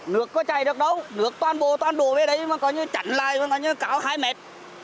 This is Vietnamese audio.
nước có chạy được đâu nước toàn bộ toàn đổ về đấy mà có như chặn lại có như cao hai mét